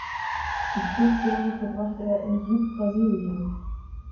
Die Kriegsjahre verbrachte er in Südbrasilien.